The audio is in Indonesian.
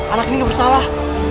anak ini gak bersalah